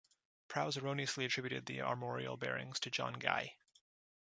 Prowse erroneously attributed the armorial bearings to John Guy.